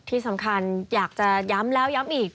ที่สำคัญอยากจะย้ำแล้วย้ำอีก